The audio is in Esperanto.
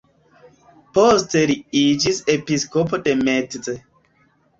Poste li iĝis episkopo de Metz.